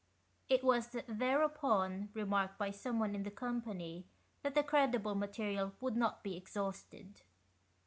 " It was thereupon remarked by someone in the company, that the credible material would not be exhausted.